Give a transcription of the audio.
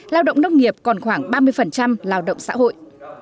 lao động nông nghiệp còn khoảng ba mươi lao động xã hội